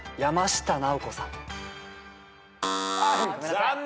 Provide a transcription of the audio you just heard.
残念！